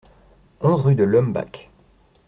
onze rue de l'Ohmbach